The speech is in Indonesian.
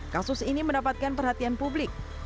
kasus ini mendapatkan perhatian publik